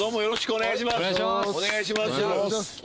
お願いします。